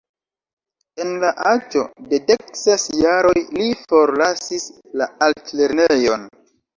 En la aĝo de dek ses jaroj li forlasis la altlernejon.